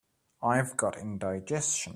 I've got indigestion.